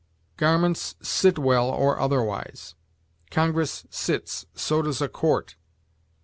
Garments sit well or otherwise. Congress sits, so does a court.